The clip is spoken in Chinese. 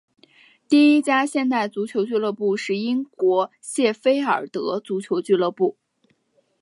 第一家现代足球俱乐部是英国谢菲尔德足球俱乐部。